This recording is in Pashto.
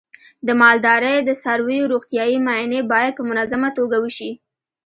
د مالدارۍ د څارویو روغتیايي معاینې باید په منظمه توګه وشي.